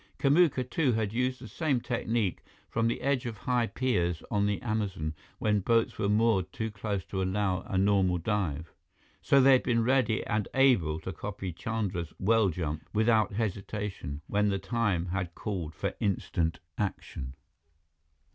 Kamuka, too, had used the same technique from the edge of high piers on the Amazon, when boats were moored too close to allow a normal dive. So they had been ready and able to copy Chandra's well jump without hesitation, when the time had called for instant action.